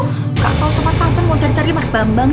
nggak tau sempat sempat mau cari cari mas bambang